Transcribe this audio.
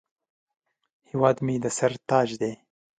هیواد مې د سر تاج دی